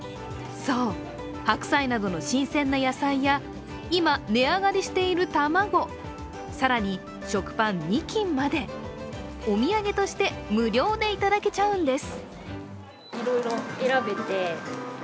そう、白菜などの新鮮な野菜や今、値上がりしている卵、更に食パン２斤まで、お土産として無料でいただけちゃうんです。